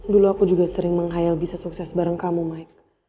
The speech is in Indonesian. dulu aku juga sering menghayal bisa sukses bareng kamu mic